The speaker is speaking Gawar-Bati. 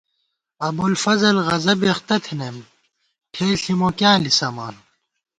ابُوالفضل غضبےاختہ تھنَئیم ٹھېلݪی موکیاں لِسَمان